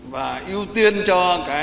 và ưu tiên cho